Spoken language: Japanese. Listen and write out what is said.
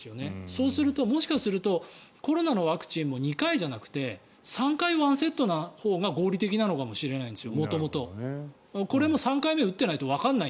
そうすると、もしかするとコロナのワクチンも２回じゃなくて３回１セットのほうが合理的なのかもしれないんです。